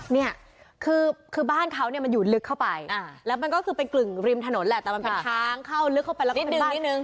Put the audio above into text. เนี่ยคือบ้านเขาเนี่ยมันอยู่ลึกเข้าไปแล้วมันก็คือเป็นกึ่งริมถนนแหละแต่มันเป็นทางเข้าลึกเข้าไปแล้วก็ดึงนิดนึง